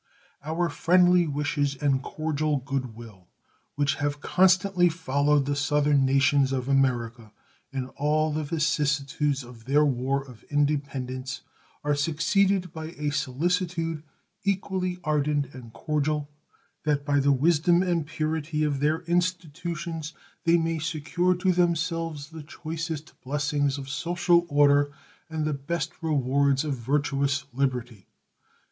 Our friendly wishes and cordial good will, which have constantly followed the southern nations of America in all the vicissitudes of their war of independence, are succeeded by a solicitude equally ardent and cordial that by the wisdom and purity of their institutions they may secure to themselves the choicest blessings of social order and the best rewards of virtuous liberty.